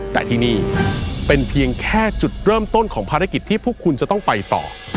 แต่ที่นี่เป็นเพียงแค่จุดเริ่มต้นของภารกิจที่พวกคุณจะต้องไปต่อ